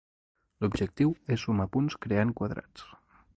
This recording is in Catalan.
L'objectiu és sumar punts creant quadrats.